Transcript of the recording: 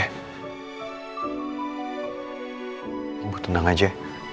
ibu tenang aja